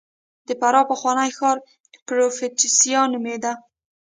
د فراه پخوانی ښار پروفتاسیا نومېده